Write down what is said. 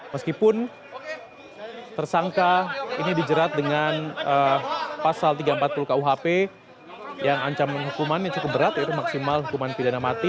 meskipun tersangka ini dijerat dengan pasal tiga ratus empat puluh kuhp yang ancaman hukuman yang cukup berat yaitu maksimal hukuman pidana mati